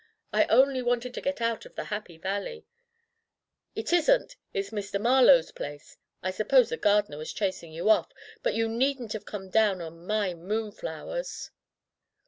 "I only wanted to get out of the Happy Valley/' "It isn't; it's Mr. Marlowe's place. I sup pose the gardener was chasing you off, but you needn't have come down on my moon flowers."